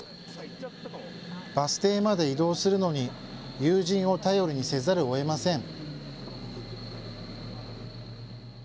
バス停まで移動するのに、友人を頼りにせざるをえません。